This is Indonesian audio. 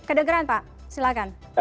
kedegaran pak silahkan